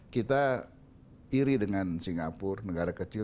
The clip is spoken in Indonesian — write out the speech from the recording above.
kita iri dengan singapura negara kecil